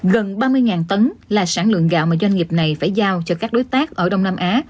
gần ba mươi tấn là sản lượng gạo mà doanh nghiệp này phải giao cho các đối tác ở đông nam á